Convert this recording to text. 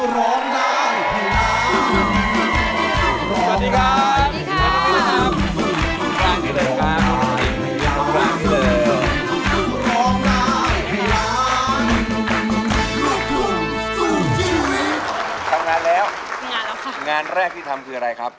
ทำงานแล้วงานแรกที่ทำคืออะไรครับ